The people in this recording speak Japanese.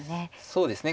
そうですね。